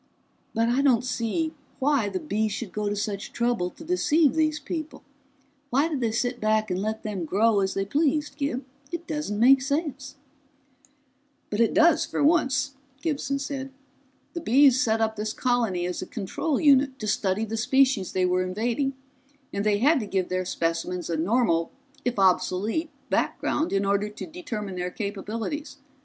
"But I don't see why the Bees should go to such trouble to deceive these people. Why did they sit back and let them grow as they pleased, Gib? It doesn't make sense!" "But it does, for once," Gibson said. "The Bees set up this colony as a control unit to study the species they were invading, and they had to give their specimens a normal if obsolete background in order to determine their capabilities.